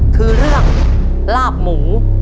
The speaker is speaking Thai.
คือเรื่องลาบหมู